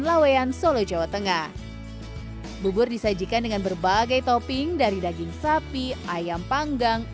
lawean solo jawa tengah bubur disajikan dengan berbagai topping dari daging sapi ayam panggang